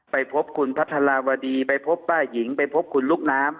ไปพบคุณพัทราวดีไปพบป้าหญิงไปพบคุณลูกน้ำ